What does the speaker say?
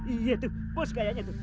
iya tuh bos kayaknya tuh